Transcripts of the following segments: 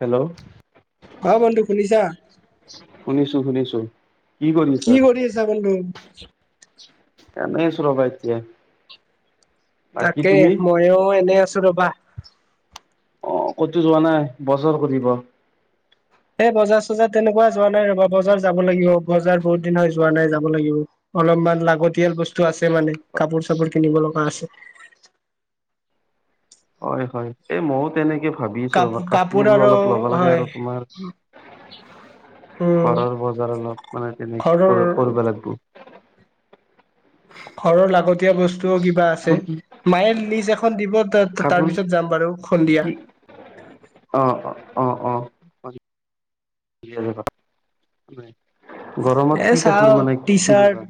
Hello. অ', বন্ধু শুনিছা। শুনিছো, শুনিছো কি কৰিছা? কৰি আছা বন্ধু এনেই আছো ৰবা এতিয়া। বাকী তাকে তুমি ময়ো এনেই আছো ৰবা। অ', কতো যোৱা নাই বজৰ কৰিব? এ বজাৰ চজাৰ তেনেকুৱা যোৱা নাই ৰবা বজাৰ যাব লাগিব, বজাৰ বহুত দিন হৈ যোৱা নাই যাব লাগিব। অলপমান লাগতিয়াল বস্তু আছে মানে, কাপোৰ চাপোৰ কিনিব লগা আছে। হয়, হয় এই ময়ো তেনেকে ভাবি আছোঁ কাপ ৰবা, কাপোৰ আৰু অলপ ল'ব লাগে হয় আৰু তোমাৰ [inaudible] উম ঘৰৰ বজাৰ অলপ মানে তেনেকে ঘৰৰ কৰিব লাগবো। ঘৰৰ লাগতিয়া বস্তু কি কিবা আছে কাপোৰ কি মায়ে লিছ এখন দিব তা কাপোৰ তাৰ পিছত যাম বাৰু সন্ধিয়া। কি অ', অ', অ', অ'। গৰমত এ কি চাও কাপোৰ মানে টি চাৰ্ট কিনিবা?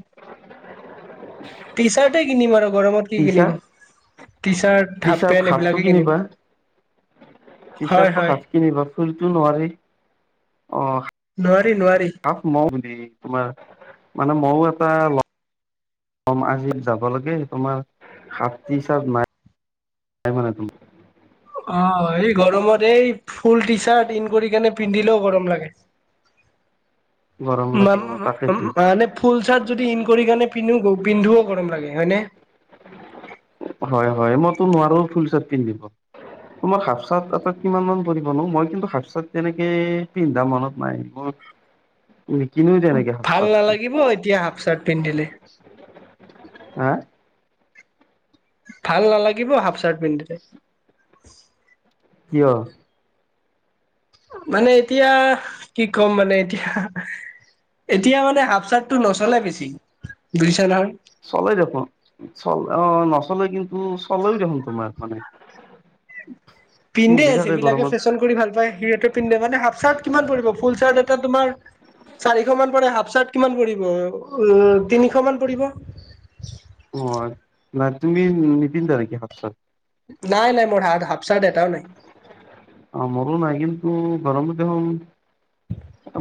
টি- চাৰ্ট এ' কিনিম আৰু গৰমত। কি টি কিনিম shirt T- shirt, T half pant হাফটো এইবিলাকে কিনিম। কিনিবা টি হয় চাৰ্টটো হয় হাফ কিনিবা ফুলটো নোৱাৰি অ'। নোৱাৰি, নোৱাৰি। ময়ো বুলি তোমাৰ মানে ময়ো এটা। কম আজি যাব লাগে তোমাৰ, হাফ টি- চাৰ্ট নাই। [inaudible] অ', এই গৰমত এই ফুল টি- চাৰ্ট ইন কৰি কেনে পিন্ধিলেও গৰম লাগে। গৰম মম লাগিব মা তাকেইতো মানে। ফুল চাৰ্ট যদি ইন কৰি কেনে পিন্ধো, পিন্ধোও গৰম লাগে হয় নে? হয়, হয় মইতো নোৱাৰো ফুল চাৰ্ট পিন্ধিব। তোমাৰ হাফ চাৰ্ট এটাত কিমান মান পৰিবনো, মই কিন্তু হাফ চাৰ্ট তেনেকে পিন্ধা মনত নাই মোৰ। [inaudible] নিপিন্ধো ভাল নালাগিব এতিয়া হাফ চাৰ্ট পিন্ধিলে। হা? ভাল নালাগিব হাফ চাৰ্ট পিন্ধিলে। কিয়? মানে এতিয়া কি ক'ম মানে এতিয়া এতিয়া মানে হাফ চাৰ্টটো নচলে বেছি বুজিছা নহয়। চলে দেখোন চল অ নচলে কিন্তু চলেও দেখোন তোমাৰ মানে। পিন্ধে পিন্ধি থাকে যিবিলাকে গৰমত ফেশ্বন কৰি ভাল পায় সিহঁতে পিন্ধে মানে হাফ চাৰ্ট কিমান পৰিব ফুল চাৰ্ট এটাত তোমাৰ চাৰিশ মান পৰে হাফ চাৰ্ট কিমান পৰিব তিনিশ মান পৰিব? অ, ন তুমি নিপিন্ধা নিকি হাফ চাৰ্ট? নাই নাই মোৰ হাফ হাফ চাৰ্ট এটাও নাই। অ, মোৰো নাই কিন্তু গৰমত দেখোন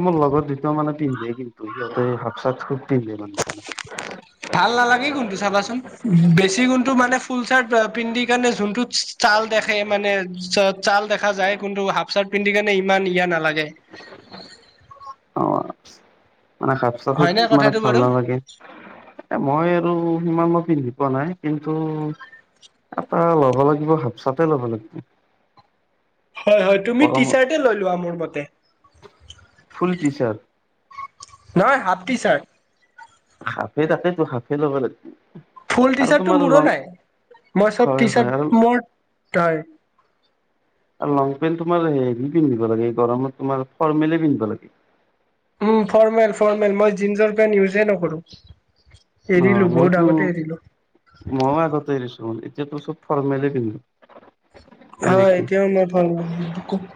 মোৰ লগৰ দুটা মানে পিন্ধে কিন্তু সিহঁতে হফ চাৰ্ট খুব পিন্ধে মানে। [unintelligible] ভাল নালাগে কিন্তু চাবাচোন, বেছি যোনটো মানে ফুল চাৰ্ট পিন্ধি কেণে যোনটো চাল দেখে মানে চ চাল দেখা যায় কিন্তু হাফ চাৰ্ট পিন্ধি কেনে ইমান ইয়া নালাগে। অ মানে হাফ হয়নে চাৰ্টটো মানে কথাটো ভাল বাৰু নালাগে। এ মই এইটো সিমান মই পিন্ধি পোৱা নাই কিন্তু এটা ল'ব লাগিব হাফ চাৰ্টে ল'ব লাগিব। হয় হয় তুমি টি গৰমত চাৰ্টেই লৈ লোৱা মোৰ মতে। Full T shirt? নহয় হাফ টি চাৰ্ট। হাফেই তাকেইটো হাফে ল'ব লাগিব। ফুল টি আৰু চাৰ্ট টো তোমাৰ মোৰো লং নাই মই চব হয় টি হয় আৰু চাৰ্ট মোৰ হয় আৰু লং পেণ্ট তোমাৰ হেৰি পিন্ধিব লাগে গৰমত তোমাৰ ফৰ্মেলেই পিন্ধিব লাগে। উম ফৰ্মেল ফৰ্মেল মই জিন্সৰ পেন্ট ইউজেই নকৰো। এৰিলো বহুত আগতেই এৰিলো। মইয়ো আগতে এৰিছো এতিয়াটো চব ফৰ্মলেই পিন্ধো। হয় তেনেকে এতিয়াও মই ফৰ্মেল পি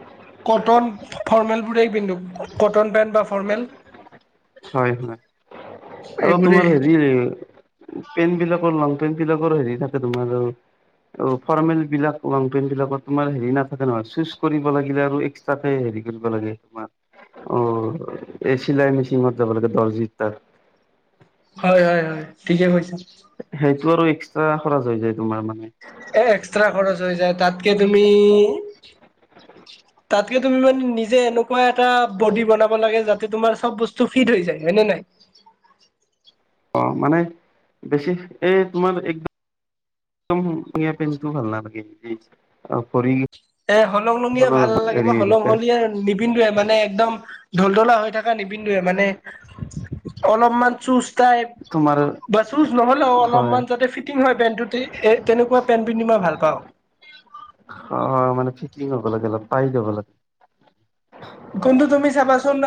কটন ফৰ্মেলবোৰেই পিন্ধো কটন পেণ্ট বা ফৰ্মেল। হয় হয় আৰু এইবোৰেই তোমাৰ হেৰি পেণ্টবিলাকৰ লংপেন্টবিলাকৰ হেৰি থাকে তোমাৰ আৰু ফৰ্মেল বিলাক লংপেণ্ট বিলাকাৰ তোমাৰ হেৰি নাথাকে নহয় চুইচ কৰিব লাগিলে আৰু হিচাপে হেৰি কৰিব লাগে তোমাৰ অ এই চিলাই মেচিনত যাব লাগে দৰ্জি তাত। হয় হয় হয় ঠিকে কৈছা। সেইটো আৰু এক্সট্ৰা খৰচ হৈ যায় তোমাৰ মানে। এ এক্সট্ৰা খৰচ হৈ যায় তাতকে তুমি তাতকে তুমি মানে নিজে এনেকুৱা এটা বডি বনাব লাগে যাতে তোমাৰ চব বস্তু ফিট হৈ যায় হয়নে নাই। অ মানে বেছি এই তোমাৰ একদম একদম হলংহলীয়া পেণ্টোও ভাল নালাগে অ ভৰি এই হলং লঙিয়া খনৰ ভাল নেলাগে হেৰি মই হৈ হলং থাকে হলিয়া নিপিন্ধোৱে মানে একদম ঢলতলা হৈ থকা থকা নিপিন্ধোয়ে মানে অলপ চুইচ টাইপ তোমাৰ বা চুইছ নহ'লেও হয় অলপমান যাতে ফিট ফিটিং হয় পেণ্টোতে এই তেনেকুৱা পেণ্ট পিন্ধি মই ভালপাওঁ। অ' মানে ফিটিং হ'ব লাগে অলপ পাই যাব লাগে কিন্তু তুমি চবাচোন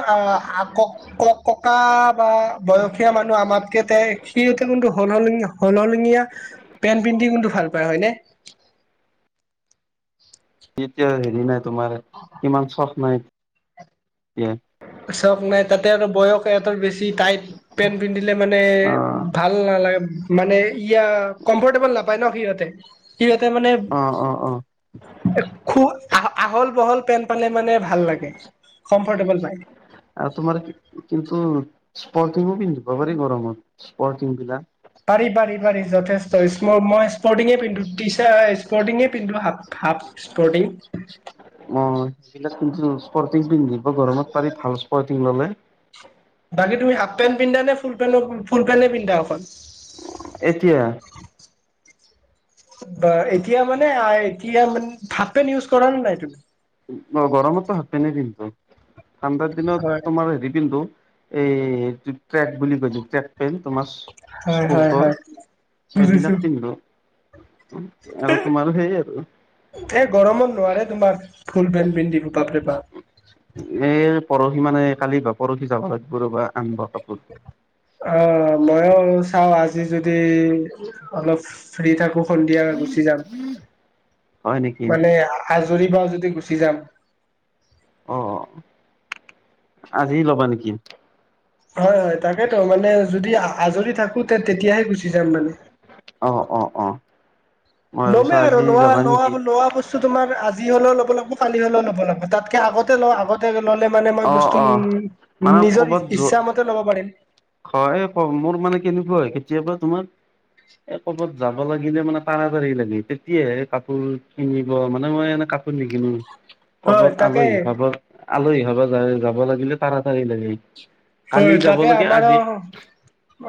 ক ক ককা বা বয়সীয়া মানুহ আমাতকে সিত কিন্তু হ'ল হলিয়া হলহলঙীয়া পেন পিন্টি কিন্তু ভাল পায় হয়নে? এতিয়া হেৰি নাই তোমাৰ ইমান চখ নাই এ। চখ নাই তাতে আৰু বয়স এতিয়া বেছি, টাইট পেণ্ট পিন্ধিলে মানে অ ভাল নালাগে মানে ইয়া কমফৰ্টেবল নাপায় ন সিহঁতে। সিহ'তে মানে অ', অ', অ', খুব আহ আহল বহল পেন্ট পালে মানে ভাল লাগে কমফৰ্টেবল পায়। আৰু তোমাৰ কিন্তু স্পৰ্টিংও পিন্ধিবা পাৰি গৰমত স্পৰ্টিং বিলাক। পাৰি পাৰি পাৰি যথেষ্ট স্ম মই স্পৰ্টিঙে পিন্ধো টিছাৰ স্পৰ্টিঙে পিন্ধো। হাফ স্পৰ্টং। অ' সেইবিলাক স্পৰ্টিং পিন্ধিব গৰমত পাৰি ভাল স্পৰ্টিং ললে। বাকী তুমি হাফ পেণ্ট পিন্ধা নে ফুল পেণ্ট ফুল পেণ্টে পিন্ধা অকল? এতিয়া? [unintelligible] বা এতিয়া মানে এতিয়া মানে হাফ পেণ্ট ইউজ কৰা নে নাই তুমি? অ' গৰমততো হাফ পেণ্টে পিন্ধো। ঠাণ্ডাৰ দিনত হয় তোমাৰ হেৰি পিন্ধো। এইটো ট্ৰেক বুলি কয় যে ট্ৰেক। পেণ্ট তোমাৰ হয় হয় স্পৰ্টৰ হয় বুজিছো সেইবিলাক পিন্ধিলোঁ। আৰু তোমাৰো সেই আৰু। এই গৰমত নোৱাৰে তোমাৰ ফুল পেণ্ট পিন্ধিব বাপ ৰে বাপ। এ পৰহি মানে কালি বা পৰহি যাবা লাগিব ৰবা আনিবা কাপোৰ। অ' মইয়ো চাওঁ আজি যদি অলপ ফ্ৰী থাকো সন্ধিয়া গুচি যাম। হয় নেকি মানে আজৰি পাওঁ যদি গুচি যাম। অ' আজি ল'বা নেকি? হয় হয় তাকেতো মানে যদি আজৰি থাকো তেতিয়াহে গুচি যাম মানে। অ' অ' অ'। মই ভাবিছো ল'মেই আৰু আজি লোৱা যাবা লোৱা নেকি? লোৱা বস্তু স্তু তোমৰ আজি হলেওঁ ল'ব লাগিব কালি হলেওঁ ল'ব লাগিব, তাতকে আগতে ল আগ তে ললে মানে মই অ', বস্তু অ'। উ মানে নিজৰ ক'বাত ইচ্ছা যোৱা মতে ল'ব পাৰিম। হয় মোৰ মানে কেনেকুৱা হয় কেতিয়াবা তোমাৰ এ ক'বাত যাব লাগিলে মানে তাৰাতাৰি লাগে। তেতিয়াহে কাপোৰ কিনিব মানে মই এনে কাপ পোৰ নেকিনো। [unintelligible] কবাত তাকে আলহী খাব আলহী খাব যাব লাগিলে তাৰাতাৰি লাগে। কালি হয় যাব তাকে লাগে আমাৰ আজি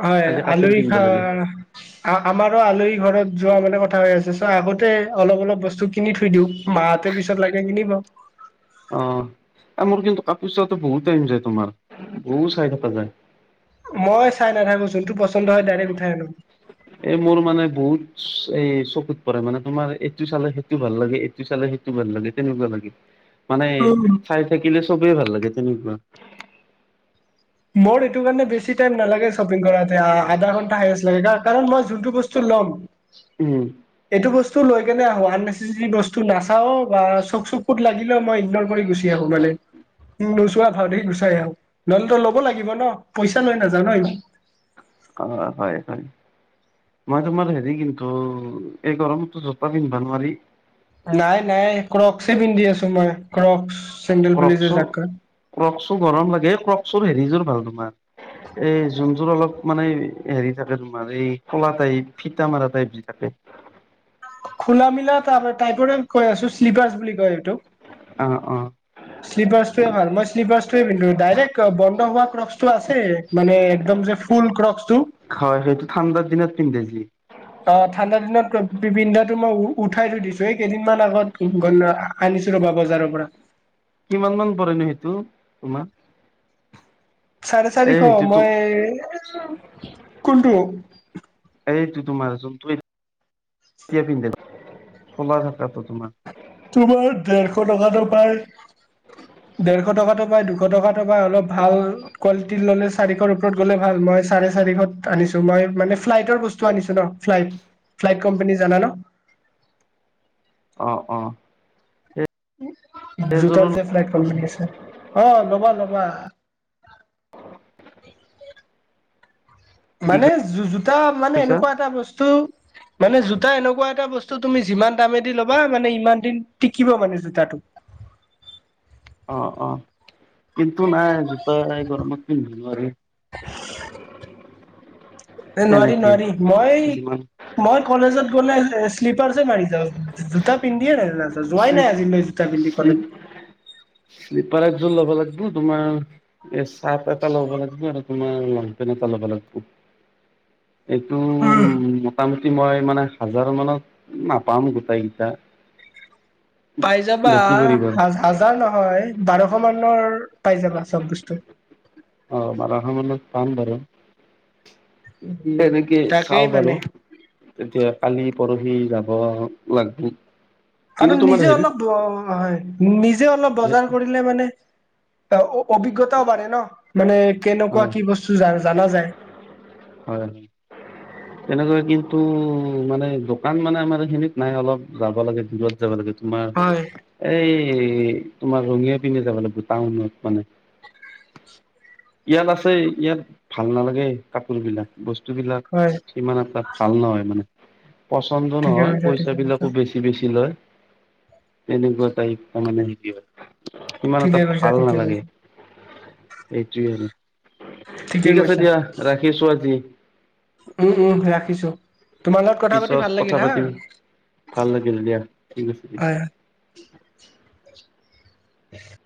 হয় আজি কাপোৰ আলহী কিনিব লাগে খাৰ আমাৰো আলহী ঘৰত যোৱা মানে কথা হৈ আছে, চ' আগতে অলপ অলপ বস্তু কিনি থৈ দিওঁ। মাহঁতে পিছত লাগে কিনিব। অ' মোৰ কিন্তু কাপোৰ চোৱাত বহুত টাইম যায়, তোমাৰ বহুত চাই থকা যায়। মই চাই নাথাকো যোনটো পচন্দ হয় ডাইৰেক্ট উঠাই আনো। এ মোৰ মানে বহুত এ চকুত পৰে, মানে তোমাৰ এইটো চালে সেইটো ভাল লাগে এইটো চালে সেইটো ভালাগে তেনেকুৱা লাগে। মানে উম চাই থাকিলে চবেই ভাল লাগে তেনেকুৱা। মোৰ এইটো কাৰণে বেছি টাইম নালাগে শ্বপিং কৰাতে, আধা ঘন্টা হাইষ্ট লাগে। কাৰণ মই যোনটো বস্তু ল'ম উওম [unintelligible] উম। এইটো বস্তু লৈ কেনে আহো, আননেচেছেৰী বস্তু নাচাও বা চক চকুত লাগিলেও মই ইগ্নৰ কৰি গুছ আহো মানে নোচোৱা ভাওতে গুচাই আহো নহলে লগ [unintelligible] লাগিব ন পইচা লৈ নাযাওঁ ন'। অ', হয়, হয়। মই তোমাৰ হেৰি কিন্তু এই গৰমততো জোতা পিন্ধবা নোৱাৰি। নাই, নাই ক্ৰক্স পিন্ধি আছো, মই ক্ৰক্স। ক্ৰক্স, ক্ৰক্সও গৰম লাগে, ক্ৰকচ হেৰিযোৰ ভাল তোমাৰ এই যোনযোৰ অলপ মানে হেৰি থাকে তোমাৰ এই কলা টাইপ ফিটা মাৰা টাইপ যে থাকে খোলা মিলা তাৰপ টাইপৰে কৈ আছো, শ্লিপাৰছ বুলি কয় এইটোক। অ', অ'। শ্লিভাৰ্ছটোৱে ভাল মই শ্লিভাৰ্ছটোৱে পিন্ধো, ডাইৰেক্ট বন্ধ হোৱা ক্ৰক্সটো আছে। মানে একদম যে ফুল ক্ৰক্সটো হয়, সেইটো ঠাণ্ডাৰ দিনত পিন্ধে যি অ', ঠাণ্ডাৰ দিনত পিন্ধাটো মই উ উঠাই থৈ দিছো, এই কেইদিনমান আগত আনিছো ৰ'বা বজাৰৰ পৰা। কিমান মান পৰেনো সেইটো তোমাৰ? চাৰে এই চাৰিশ, সেইটোতো মই কোনটো এইটো তোমাৰ যোনটোয়া পিন্ধ খলা থাকাতো তোমাৰ [unintelligible] তোমাৰ ডেৰশ টকাটো পাই। ডেৰশ টকাটো পায়, দুশ টকাতটো পায়, অলপ ভাল কোৱালিটিৰ ল'লে চাৰিশৰ ওপৰত গ'লে ভাল, মই চাৰে চাৰিশত আনিছো, মই মানে ফ্লাইটৰ বস্তু আনিছো ন'। ফ্লাইট, ফ্লাইট কোম্পানী জানা ন'? অ', অ'। সেইযোৰো জোতাৰ যে ফ্লাইট কোম্পানী আছে, অ', ল'বা ল'বা। কি মানে জোতা মানে কৈছা এনেকুৱা এটা বস্তু মানে জোতা এনেকুৱা এটা বস্তু তুমি যিমান দামেদি ল'বা মানে ইমান দিন টিকিবা মানে জোতাটো। অ', অ', কিন্তু নাই জোতা এই গৰমত পিন্ধিব নোৱাৰি। এ নোৱাৰি, তেনেকে নোৱাৰি, মই যিমান মই কলেজত গ'লে শ্লিপাৰ্ছ এ মাৰি যাওঁ, জোটা পিন্ধিয়ে নাই যোৱাই শ্লিপ নাই আজিলৈ জোটা পিন্ধি ক'লে শ্লিপ শ্লিপাৰ একযোৰ ল'ব লাগিব তোমাৰ এই চাৰ্ট এটা ল'ব লাগিব আৰু তোমাৰ লংপেণ্ট এটা ল'ব লাগিব। [inaudible] এইটো উ মোটামুটি মই মানে হাজাৰ মানত নাপাম গোটেইকেইটা। পাই যাবা পৰিব হ হাজাৰ নহয়, বাৰশ মানত পাই যাবা সব বস্তু। অ', বাৰশ মানত পাম বাৰু। উম তেনেকে তাকেই চাও বাৰু, মানে তেতিয়া কালি পৰহি যাব লাগিব। আৰু নিজে অলপ, হয় নিজে অলপ বজাৰ কৰিলে মানে অ', অভিজ্ঞতাও বাঢ়ে ন', মানে কেনেকুৱা হয় কি বস্তু জনা যায়। হয়, হয়। [inaudible] তেনেকৈ কিন্তু মানে দোকান মানে আমাৰ এইখিনিত নাই অলপ যাব লাগে দূৰত। যাব লাগে তোমাৰ, হয় এই তোমাৰ ৰঙীয়া পিনে যাব লাগিব টাউনত মানে। ইয়াত আছে, ইয়াত ভাল নালাগে কাপোৰ বিলাক, বস্তু বিলাক হয়। সিমান এটা ভাল নহয়, মানে পচন্দ ঠিকে নহয়, কৈছা পইচা ঠিকে কৈছা বিলাকো বেছি। বেছি লয়। তেনেকুৱা টাইপ তাৰ মানে সিমান এটা ঠিকে কৈছা ভাল ঠিকে নালাগে। কৈছা ঠিকে ঠিক আছে কৈছা দিয়া, ৰাখিছো আজি। উম, উম, ৰাখিছো। তোমাৰ লগত কথা পাতি পিছত ভাল কথা লাগিল হা, পাতিম ভাল লাগিল দিয়া ঠিক আছে দিয়া হয়। [unintelligible]